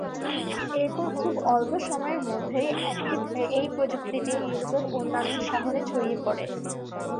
এরপর খুব অল্প সময়ের মধ্যেই এই প্রযুক্তিটি ইউরোপের অন্যান্য শহরে ছড়িয়ে পড়ে।